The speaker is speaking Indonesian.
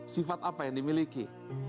sifat apa yang dimiliki